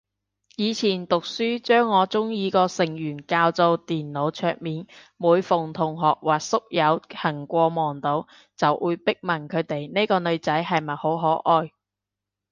以前讀書將我鍾意個成員較做電腦桌面，每逢同學或者宿友行過望到，就會逼問佢哋呢個女仔係咪好可愛